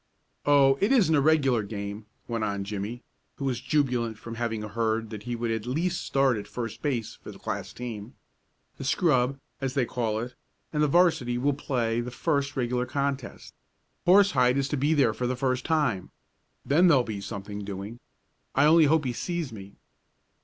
"Oh, it isn't a regular game," went on Jimmie, who was jubilant from having heard that he would at least start at first base for the class team. "The scrub, as they call it, and 'varsity will play the first regular contest. Horsehide is to be there for the first time. Then there'll be something doing. I only hope he sees me."